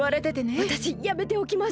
わたしやめておきます。